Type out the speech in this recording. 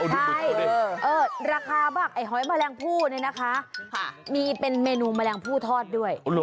ใช่ราคาบ้างไอ้หอยแมลงผู้เนี่ยนะคะมีเป็นเมนูแมลงผู้ทอดด้วย